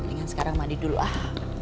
mendingan sekarang mandi dulu ah